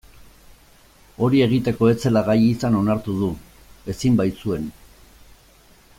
Hori egiteko ez zela gai izan onartu du, ezin baitzuen.